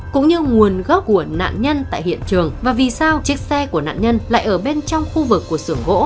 cũng như nguồn gốc của nạn nhân tại hiện trường và vì sao chiếc xe của nạn nhân lại ở bên trong khu vực của sưởng gỗ